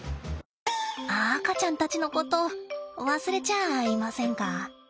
赤ちゃんたちのこと忘れちゃあいませんか？